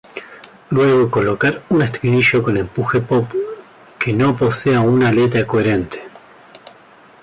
Luego colocar un estribillo con empuje pop que no posea una letra coherente.